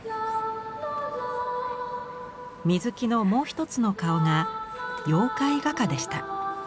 水木のもう一つの顔が妖怪画家でした。